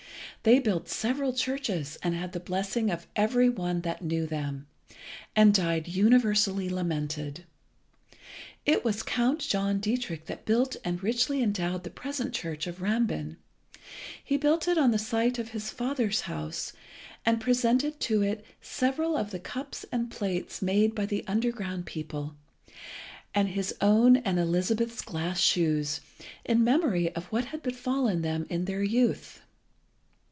They built several churches, and had the blessing of every one that knew them, and died universally lamented. It was Count John Dietrich that built and richly endowed the present church of Rambin. He built it on the site of his father's house, and presented to it several of the cups and plates made by the underground people, and his own and Elizabeth's glass shoes, in memory of what had befallen them in their youth.